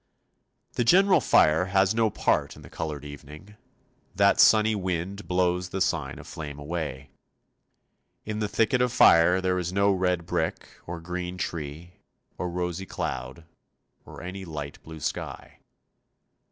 The general fire has no part in the coloured evening; that sunny wind blows the sign of flame away. In the thicket of fire there is no red brick or green tree, or rosy cloud, or any light blue sky.